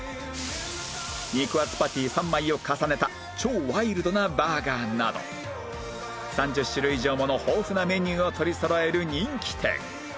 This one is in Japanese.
肉厚パティ３枚を重ねた超ワイルドなバーガーなど３０種類以上もの豊富なメニューを取りそろえる人気店